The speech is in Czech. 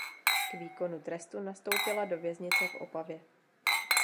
K výkonu trestu nastoupila do věznice v Opavě.